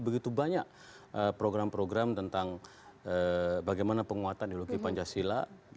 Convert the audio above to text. begitu banyak program program tentang bagaimana penguatan ideologi pancasila